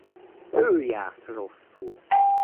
Ő járt rosszul.